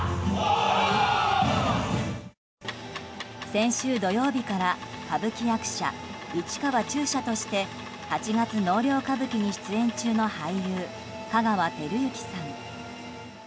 先週土曜日から歌舞伎役者・市川中車として「八月納涼歌舞伎」に出演中の俳優・香川照之さん。